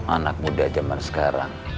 anak muda zaman sekarang